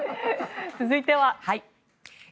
続いては。